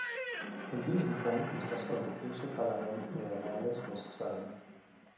In diesem Punkt muss das Europäische Parlament mehr Realismus zeigen.